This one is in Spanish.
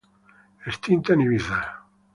Extinta en Ibiza.